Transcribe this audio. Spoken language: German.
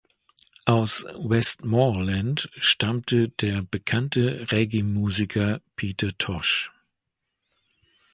Aus Westmoreland stammte der bekannte Reggaemusiker Peter Tosh.